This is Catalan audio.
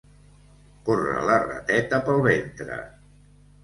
Córrer la rateta pel ventre.